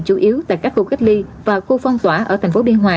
chủ yếu tại các khu cách ly và khu phong tỏa ở thành phố biên hòa